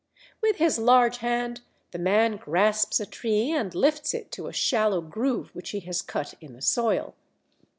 With his large hand the man grasps a tree and lifts it to a shallow groove which he has cut in the soil.